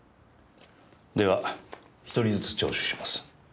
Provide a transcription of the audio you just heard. では１人ずつ聴取します。